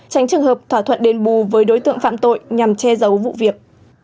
tránh trường hợp thỏa thuận đền bù với đối tượng phạm tội nhằm che giấu vụ việc